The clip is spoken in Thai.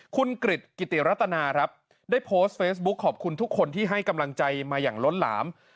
คุณกริจกิติรัตนาครับได้โพสต์เฟซบุ๊คขอบคุณทุกคนที่ให้กำลังใจมาอย่างล้นหลาม